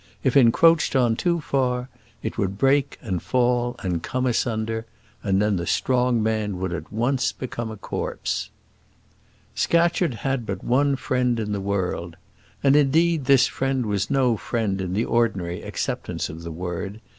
If encroached on too far, it would break and fall and come asunder, and then the strong man would at once become a corpse. Scatcherd had but one friend in the world. And, indeed, this friend was no friend in the ordinary acceptance of the word.